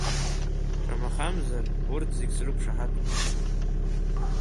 Шамахамзар, урҭ зегьы срықәшаҳаҭуп.